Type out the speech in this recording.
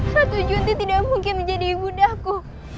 satu juti tidak mungkin menjadi ibu daku